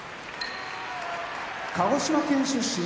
鹿児島県出身